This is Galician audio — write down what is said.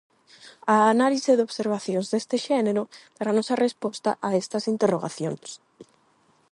A análise de observacións deste xénero daranos a resposta a estas interrogacións.